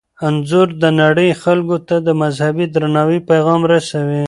انځور د نړۍ خلکو ته د مذهبي درناوي پیغام رسوي.